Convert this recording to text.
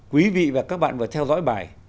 quý vị và các bạn vừa theo dõi bài